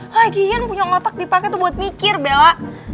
lagi ian punya otak dipake tuh buat mikir bella